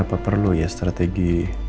apa perlu ya strategi